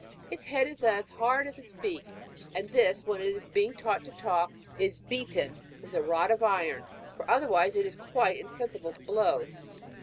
Its head is as hard as its beak ; and this, when it is being taught to talk, is beaten with a rod of iron, for otherwise it is quite insensible to blows.